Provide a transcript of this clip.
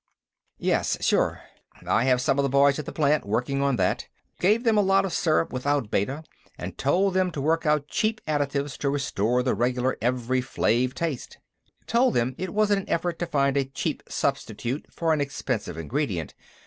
"Yes, sure. I have some of the boys at the plant lab working on that. Gave them a lot of syrup without Beta, and told them to work out cheap additives to restore the regular Evri Flave taste; told them it was an effort to find a cheap substitute for an expensive ingredient.